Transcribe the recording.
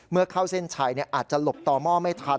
เข้าเส้นชัยอาจจะหลบต่อหม้อไม่ทัน